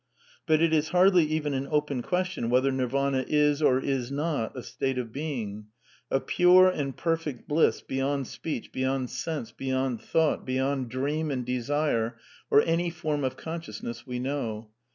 But it is hardly even an open question whether Nirvana is or is not a state of Being; of pure and perfect bliss, beyond speech, beyond sense, beyond thought, beyond dream and desire or any form of consciousness we know.